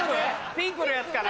ピンクのやつかな？